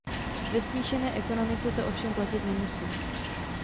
Ve smíšené ekonomice to ovšem platit nemusí.